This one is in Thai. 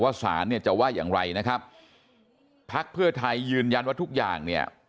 ว่าสารจะว่าอย่างไรภัทรเภื่อไทยยืนยันว่าทุกอย่าง